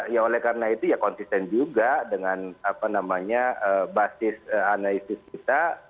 ya oleh karena itu ya konsisten juga dengan apa namanya basis analisis kita